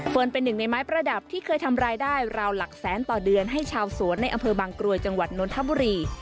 เป็นหนึ่งในไม้ประดับที่เคยทำรายได้ราวหลักแสนต่อเดือนให้ชาวสวนในอำเภอบางกรวยจังหวัดนนทบุรี